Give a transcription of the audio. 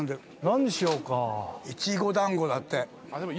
いちご団子だって。